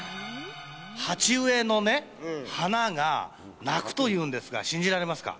鉢植えのね、花が鳴くというんですが、信じられますか？